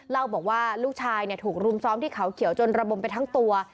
เล่าบอกว่าลูกชายถูกรุมซ้อมที่เขาเขียวจนระบมไปทั้งตัว